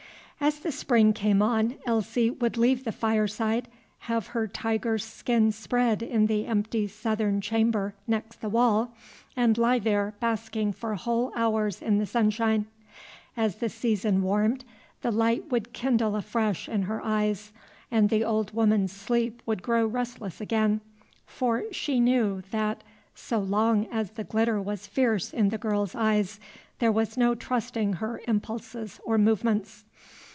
As the spring came on, Elsie would leave the fireside, have her tiger skin spread in the empty southern chamber next the wall, and lie there basking for whole hours in the sunshine. As the season warmed, the light would kindle afresh in her eyes, and the old woman's sleep would grow restless again, for she knew, that, so long as the glitter was fierce in the girl's eyes, there was no trusting her impulses or movements.